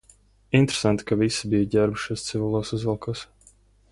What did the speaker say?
Interesanti, ka visi bija ģērbušies civilos uzvalkos.